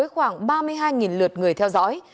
khoảng ba mươi hai lượt người theo dõi